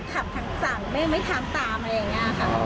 คำสั่งไม่ทำตามอะไรอย่างนี้ค่ะ